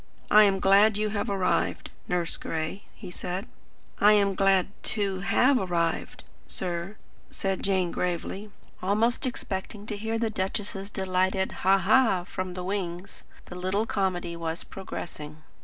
"I am glad you have arrived, Nurse Gray," he said. "I am glad TO have arrived, sir," said Jane gravely, almost expecting to hear the duchess's delighted "Ha, ha!" from the wings. The little comedy was progressing.